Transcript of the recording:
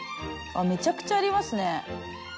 あっめちゃくちゃありますね。